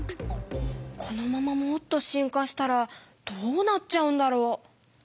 このままもっと進化したらどうなっちゃうんだろう？